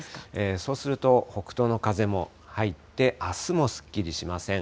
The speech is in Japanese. そうすると、北東の風も入って、あすもすっきりしません。